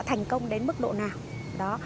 sẽ công đến mức độ nào đó